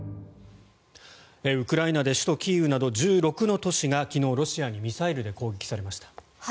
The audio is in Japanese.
ウクライナで首都キーウなど１６の都市が昨日、ロシアにミサイルで攻撃されました。